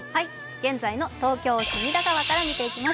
現在の東京・隅田川から見ていきます。